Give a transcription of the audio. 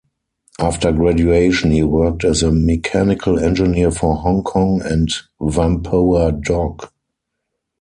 After graduation, he worked as a mechanical engineer for Hong Kong and Whampoa Dock.